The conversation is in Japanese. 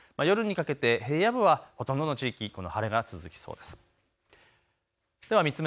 夜にかけて平野部はほとんどの地域、この晴れが続きそうです。